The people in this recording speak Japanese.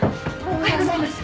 おはようございます。